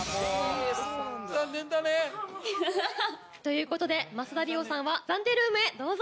残念だね。ということで増田吏桜さんは暫定ルームへどうぞ。